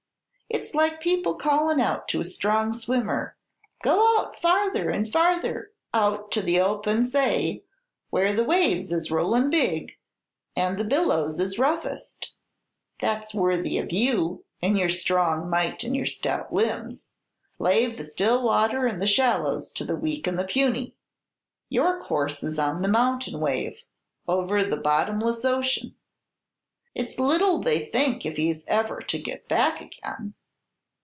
It's like people callin' out to a strong swimmer, 'Go out farther and farther, out to the open say, where the waves is rollin' big, and the billows is roughest; that's worthy of you, in your strong might and your stout limbs. Lave the still water and the shallows to the weak and the puny. Your course is on the mountain wave, over the bottomless ocean.' It's little they think if he's ever to get back again.